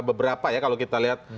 beberapa ya kalau kita lihat